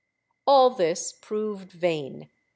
All this proved vain.